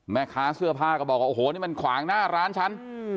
แม่ค้าเสื้อผ้าก็บอกว่าโอ้โหนี่มันขวางหน้าร้านฉัน